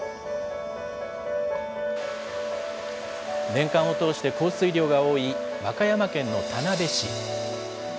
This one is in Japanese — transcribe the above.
年間を通して降水量が多い和歌山県の田辺市。